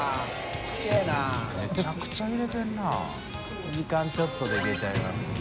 １時間ちょっとで行けちゃいますね。